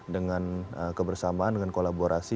dengan kebersamaan dengan kolaborasi